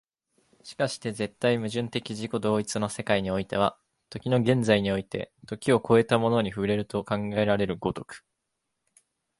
而して絶対矛盾的自己同一の世界においては、時の現在において時を越えたものに触れると考えられる如く、